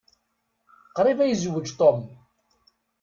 Qṛib ad yezweǧ Tom.